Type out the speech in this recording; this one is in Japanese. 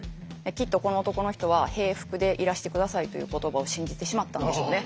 きっとこの男の人は平服でいらしてくださいという言葉を信じてしまったんでしょうね。